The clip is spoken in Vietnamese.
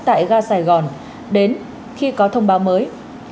tại ga sài gòn đến khi có thông báo mới